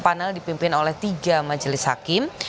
panel dipimpin oleh tiga majelis hakim